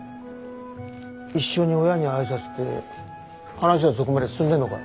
一緒に親に挨拶って話はそこまで進んでんのかい？